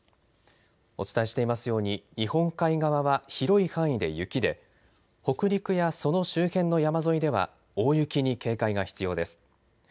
お伝えしていますように日本海側は広い範囲で雪で北陸や、その周辺の山沿いでは大雪に警戒が必要です。